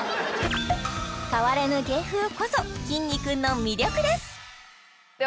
変わらぬ芸風こそきんに君の魅力です